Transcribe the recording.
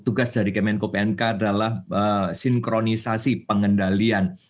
satu tugas dari kemenko pnk adalah sinkronisasi pengendalian